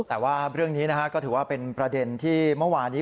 แต่ว่าเรื่องนี้ก็ถือว่าเป็นประเด็นที่เมื่อวานี้